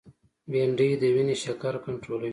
بېنډۍ د وینې شکر کنټرولوي